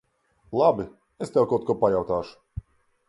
Labi. Es tev kaut ko pajautāšu.